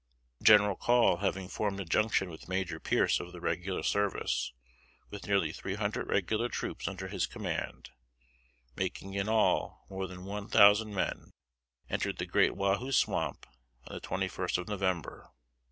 General Call having formed a junction with Major Pearce of the regular service, with nearly three hundred regular troops under his command, making in all more than one thousand men, entered the great Wahoo Swamp on the twenty first of November.